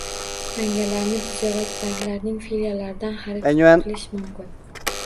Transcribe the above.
Tangalarni tijorat banklarining filiallaridan xarid qilish mumkin